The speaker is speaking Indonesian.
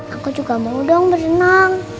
aku juga mau dong berenang